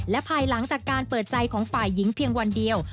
และภายหลังจากการเปิดใจของฝ่ายหญิงเพียงวันเดียว